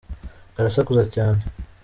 karasakuza cyane